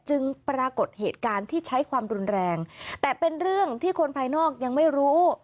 ปรากฏเหตุการณ์ที่ใช้ความรุนแรงแต่เป็นเรื่องที่คนภายนอกยังไม่รู้